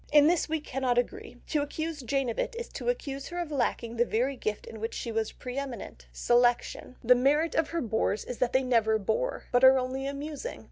In this we cannot agree, to accuse Jane of it is to accuse her of lacking the very gift in which she was pre eminent—selection. The merit of her bores is that they never bore, but are only amusing.